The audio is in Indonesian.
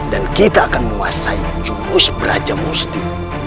dan kita akan menguasai jurus peraja musti